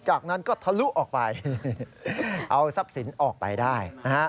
จากนั้นก็ทะลุออกไปเอาทรัพย์สินออกไปได้นะฮะ